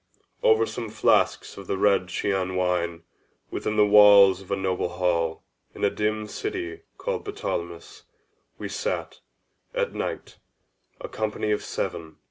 Over some flasks of the red Chian wine, within the walls of a noble hall, in a dim city called Ptolemais, we sat, at night, a company of seven.